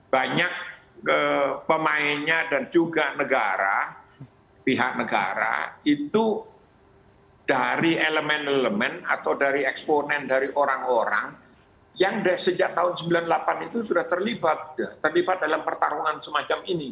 banyak pemainnya dan juga negara pihak negara itu dari elemen elemen atau dari eksponen dari orang orang yang dari sejak tahun seribu sembilan ratus sembilan puluh delapan itu sudah terlibat dalam pertarungan semacam ini